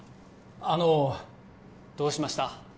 あのどうしました？